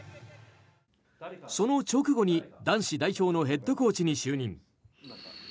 その直後に男子代表のヘッドコーチに就任。